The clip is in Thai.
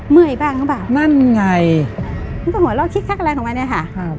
เมื่อยบ้างหรือเปล่านั่นไงมันก็หัวเราะคิกคักอะไรของมันเนี่ยค่ะครับ